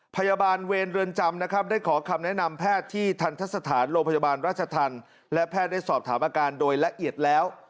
พยาบาลเวรเรือนจำนะครับได้ขอคำแนะนำแพทย์ที่ทันทะสถานโรงพยาบาลราชธรรมและแพทย์ได้สอบถามอาการโดยละเอียดแล้ว